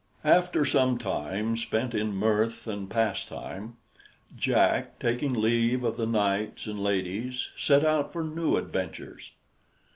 After some time spent in mirth and pastime, Jack, taking leave of the knights and ladies, set out for new adventures.